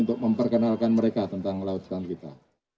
untuk memperkenalkan mereka tentang laut tanpa kita